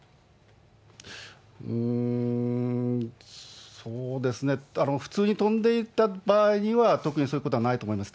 うーん、そうですね、普通に飛んでいた場合には、特にそういうことはないと思います。